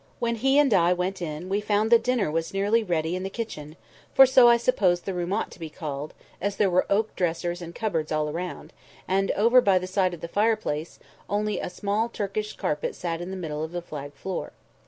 When he and I went in, we found that dinner was nearly ready in the kitchen—for so I suppose the room ought to be called, as there were oak dressers and cupboards all round, all over by the side of the fireplace, and only a small Turkey carpet in the middle of the flag floor.